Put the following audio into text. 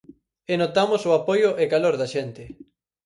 E notamos o apoio e calor da xente.